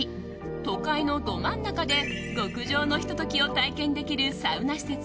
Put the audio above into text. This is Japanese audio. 都会のど真ん中で極上のひと時を体験できるサウナ施設